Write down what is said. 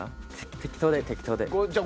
適当で適当で。